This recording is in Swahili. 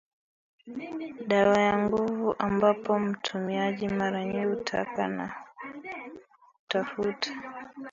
dawa kwa nguvu ambapo mtumiaji mara nyingi hutaka na hutafuta